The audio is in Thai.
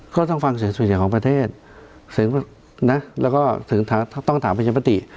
ก็ต้องฟังเสียงส่วนใหญ่ของประเทศแล้วก็ถึงต้องถามพิจัยปฏิ